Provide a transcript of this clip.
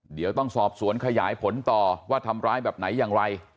เดี๋ยวต้องสอบสวนขยายผลต่อว่าทำร้ายแบบไหนอย่างไร